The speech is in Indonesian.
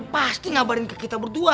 pasti ngabarin ke kita berdua